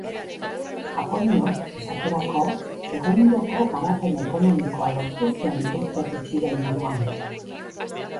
Japoniak, esaterako, egundoko garapen ekonomikoa lortu zuen urte gutxiren buruan.